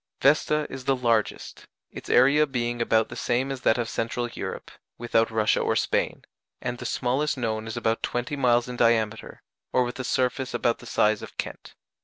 Vesta is the largest its area being about the same as that of Central Europe, without Russia or Spain and the smallest known is about twenty miles in diameter, or with a surface about the size of Kent.